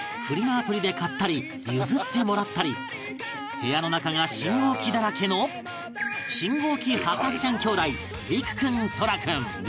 アプリで買ったり譲ってもらったり部屋の中が信号機だらけの信号機博士ちゃん兄弟莉玖君蒼空君